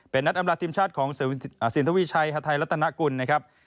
เป็นนัดอำนาจทีมชาติของศิลปินตน์ชายหทัยรัฐนักกุลนะครับ